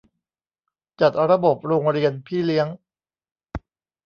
จัดระบบโรงเรียนพี่เลี้ยง